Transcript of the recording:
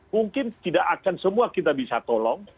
mungkin tidak akan semua kita bisa tolong